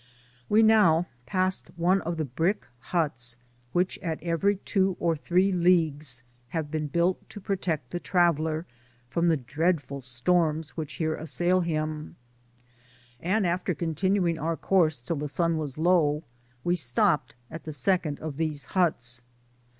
We now passed one of the brick huts, which, at every two or three leagues, have been built to protect the traveller from the dreadful storms which here assail him, and after continuing our course till the sun was low, we stopped at the second of these huts.